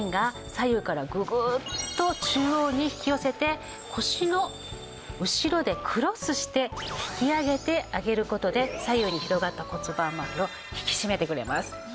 左右からググッと中央に引き寄せて腰の後ろでクロスして引き上げてあげる事で左右に広がった骨盤まわりを引き締めてくれます。